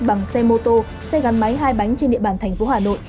bằng xe mô tô xe gắn máy hai bánh trên địa bàn thành phố hà nội